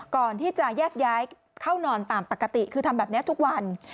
ก่อนที่จะแยกย้ายเข้านอนตามปกติคือทำแบบนี้ทุกวัน